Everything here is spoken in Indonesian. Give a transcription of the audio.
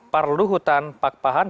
parluhutan pak pahan